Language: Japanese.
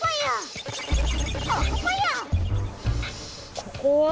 ここは？